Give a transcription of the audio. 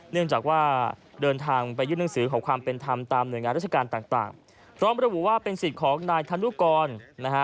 เนื่องจากว่าเดินทางไปยื่นหนังสือขอความเป็นธรรมตามหน่วยงานราชการต่างต่างพร้อมระบุว่าเป็นสิทธิ์ของนายธนุกรนะฮะ